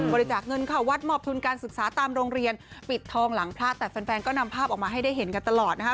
บริจาคเงินเข้าวัดมอบทุนการศึกษาตามโรงเรียนปิดทองหลังพระแต่แฟนก็นำภาพออกมาให้ได้เห็นกันตลอดนะคะ